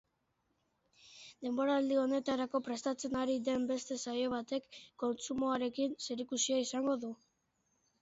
Denboraldi honetarako prestatzen ari den beste saio batek kontsumoarekin zerikusia izango du.